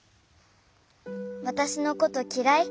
わたしのこときらい？